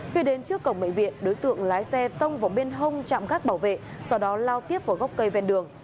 khi đến trước cổng bệnh viện đối tượng lái xe tông vào bên hông chạm gác bảo vệ sau đó lao tiếp vào gốc cây ven đường